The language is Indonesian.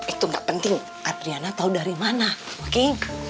itu gak penting adriana tahu dari mana oke